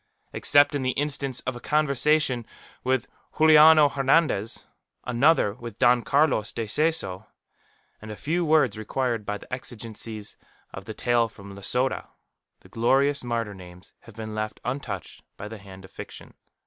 Except in the instance of a conversation with Juliano Hernandez, another with Don Carlos de Seso, and a few words required by the exigencies of the tale from Losada, the glorious martyr names have been left untouched by the hand of fiction.